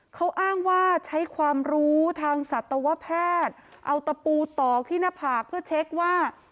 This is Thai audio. เขาอ้างว่าใช้ความรู้ทางสัตวแพทย์เอาตะปูตอกที่หน้าผากเพื่อเช็คว่า